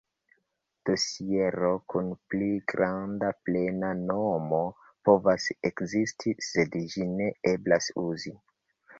Dosiero kun pli granda plena nomo povas ekzisti, sed ĝin ne eblas uzi.